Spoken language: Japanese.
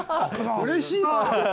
うれしいな！